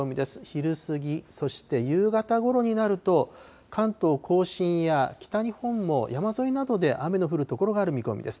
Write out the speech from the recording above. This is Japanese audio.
昼過ぎ、そして夕方ごろになると、関東甲信や北日本も山沿いなどで雨の降る所がある見込みです。